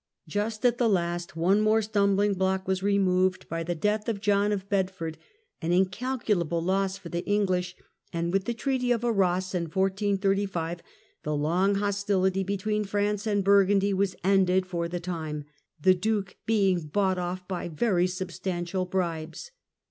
Just at the last one more stumbling block was removed by the death of John of Bedford, an Treaty of incalculable loss for the English, and with the Treaty Arras, 1435 ^^ ^rrag the loug hostility between France and Bur gundy was ended for the time, the Duke being bought off by very substantial bribes.